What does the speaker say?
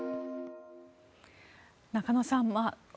中野さん